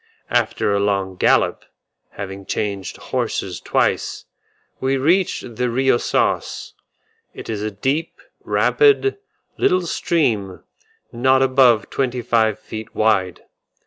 After a long gallop, having changed horses twice, we reached the Rio Sauce: it is a deep, rapid, little stream, not above twenty five feet wide.